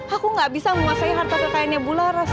aku tidak bisa menguasai harta kekayaan bu laras